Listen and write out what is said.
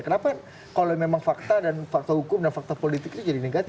kenapa kalau memang fakta dan fakta hukum dan fakta politik itu jadi negatif